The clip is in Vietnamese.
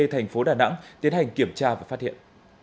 thành phố đà nẵng tiến hành kiểm tra và phát hiện